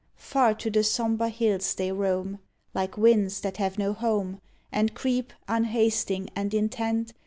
Far to the sombre hills they roam Like winds that have no home, And creep, Unhasting and intent.